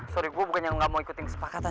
sorry gue bukannya nggak mau ikuti kesepakatan